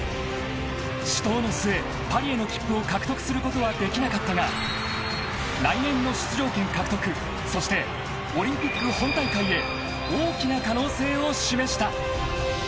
［死闘の末パリへの切符を獲得することはできなかったが来年の出場権獲得そしてオリンピック本大会へ大きな可能性を示した］